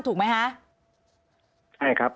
ถูกไหมครับ